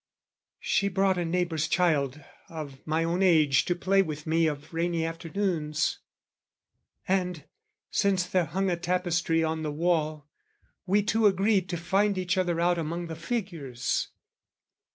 She brought a neighbour's child of my own age To play with me of rainy afternoons; And, since there hung a tapestry on the wall, We two agreed to find each other out Among the figures.